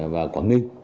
và quảng ninh